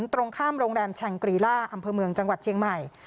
ตรงข้ามโรงแรมแชงกรีล่าอำเภอเมืองจังหวัดเชียงใหม่